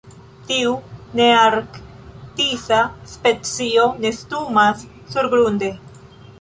Tiu nearktisa specio nestumas surgrunde.